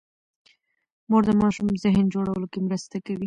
مور د ماشوم ذهن جوړولو کې مرسته کوي.